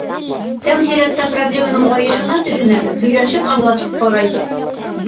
Тәү сиратта проблеманың айышына төшөнәбеҙ, һөйләшеп-аңлашып ҡарайбыҙ.